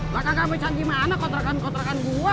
maka gak bisa gimana kotrakan kotrakan gua